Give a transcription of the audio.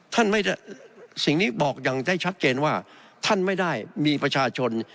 ท่านไม่ได้สิ่งนี้บอกอย่างได้ชัดเจนว่าท่านไม่ได้มีประชาชน